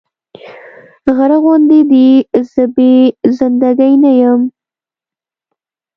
غره غوندې دې زه بې زنده ګي نه يم